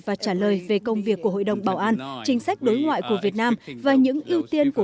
và trả lời về công việc của hội đồng bảo an chính sách đối ngoại của việt nam và những ưu tiên của